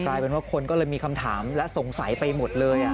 กลายเป็นว่าคนก็เลยมีคำถามและสงสัยไปหมดเลย